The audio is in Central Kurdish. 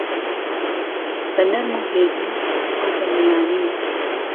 بهنەرم و هێدی ئەو بهنییانی